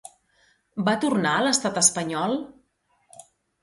Va tornar a l'estat espanyol?